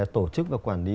tổ chức và quản lý